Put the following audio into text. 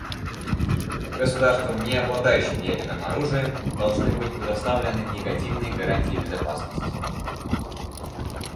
Государствам, не обладающим ядерным оружием, должны быть предоставлены негативные гарантии безопасности.